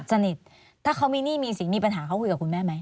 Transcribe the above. สนิทถ้าเขามีหนี้มีสินมีปัญหาเขาคุยกับคุณแม่ไหม